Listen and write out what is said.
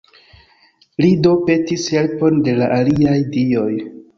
Li do petis helpon de la aliaj dioj.